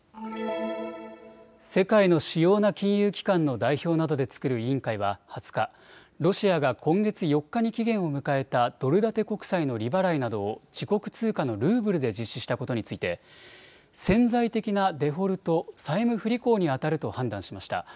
世界の主要な金融機関の代表などで作る委員会は２０日、ロシアが今月４日に期限を迎えたドル建て国債の利払いなどを自国通貨のルーブルで実施したことについて潜在的なデフォルト・債務不履行にあたると判断しました。